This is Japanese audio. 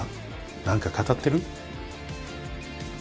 何か語ってる？